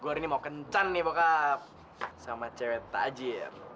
gua hari ini mau kencan nih pokap sama cewek tajir